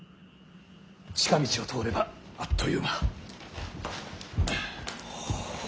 近道を通ればあっという間。